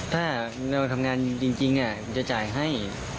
ถ้าเราทำงานจริงจะจ่ายให้